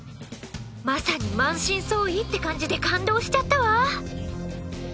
まさに満身創痍って感じで感動しちゃったわ